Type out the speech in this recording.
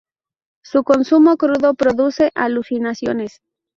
Su consumo crudo produce alucinaciones.